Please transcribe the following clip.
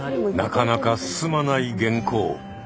なかなか進まない原稿。